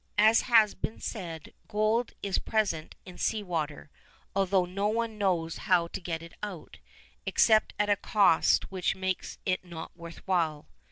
As has been said, gold is present in sea water, although no one knows how to get it out, except at a cost which makes it not worth while.